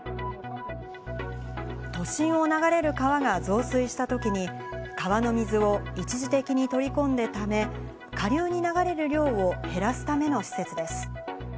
都心を流れる川が増水したときに、川の水を一時的に取り込んでため、下流に流れる量を減らすための施設です。